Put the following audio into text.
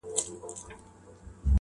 پسرلي راڅخه تېر سول- پر خزان غزل لیکمه-